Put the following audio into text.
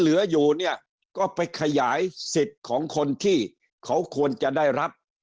เหลืออยู่เนี่ยก็ไปขยายสิทธิ์ของคนที่เขาควรจะได้รับ